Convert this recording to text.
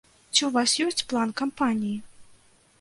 Ці ў вас ёсць план кампаніі?